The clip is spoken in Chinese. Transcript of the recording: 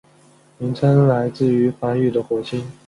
名称来自于梵语的火星。